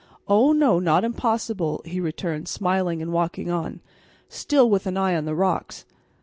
"Oh, no, not impossible," he returned, smiling and walking on, still with an eye on the rocks.